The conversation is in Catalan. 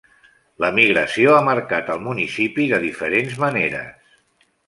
L'emigració ha marcat el municipi de diferents maneres.